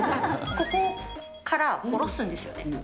ここから下ろすんですよね。